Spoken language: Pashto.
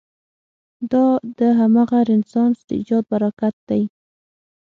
دا د همغه رنسانس د ایجاد براکت دی.